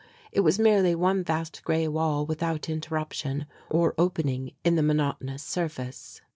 It was merely one vast grey wall without interruption or opening in the monotonous surface.